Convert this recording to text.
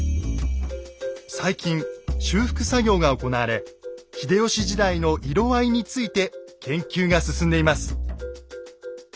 最近修復作業が行われ秀吉時代の色合いについて研究が進んでいます。